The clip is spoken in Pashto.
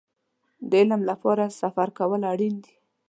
د علم لپاره سفر کول اړين دی.